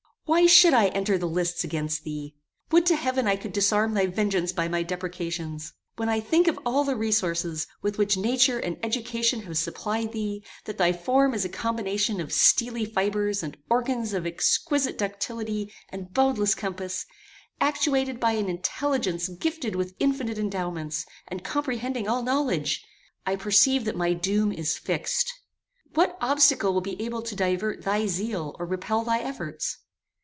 Why should I enter the lists against thee? Would to heaven I could disarm thy vengeance by my deprecations! When I think of all the resources with which nature and education have supplied thee; that thy form is a combination of steely fibres and organs of exquisite ductility and boundless compass, actuated by an intelligence gifted with infinite endowments, and comprehending all knowledge, I perceive that my doom is fixed. What obstacle will be able to divert thy zeal or repel thy efforts?